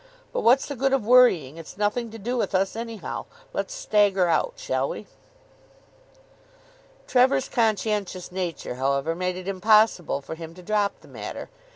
But what's the good of worrying. It's nothing to do with us, anyhow. Let's stagger out, shall we?" Trevor's conscientious nature, however, made it impossible for him to drop the matter.